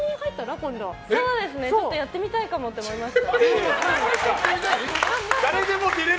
ちょっとやってみたいかもって思いました。